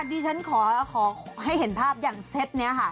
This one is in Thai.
ดิฉันขอให้เห็นภาพอย่างเซตนี้ค่ะ